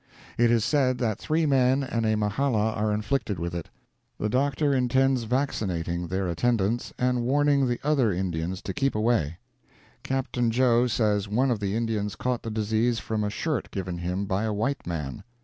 It is said that three men and a mahala are afflicted with it; the doctor intends vaccinating their attendants and warning the other Indians to keep away. Capt. Jo says one of the Indians caught the disease from a shirt given him by a white man.